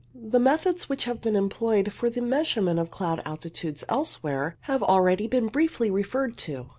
The methods which had been employed for the measurement of cloud altitudes elsewhere have already been briefly referred to.